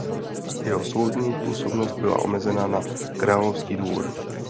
Jeho soudní působnost byla omezena na královský dvůr.